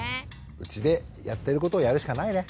うちでやってることをやるしかないね。